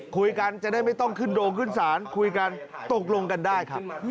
คุยกันจะได้ไม่ต้องขึ้นโดงขึ้นศาลคุยกันตกลงกันได้ครับ